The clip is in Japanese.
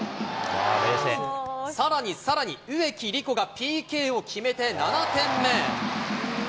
さらにさらに、植木理子がＰＫを決めて７点目。